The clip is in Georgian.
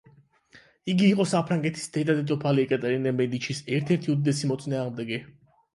იგი იყო საფრანგეთის დედა დედოფალ ეკატერინე მედიჩის ერთ-ერთი უდიდესი მოწინააღმდეგე.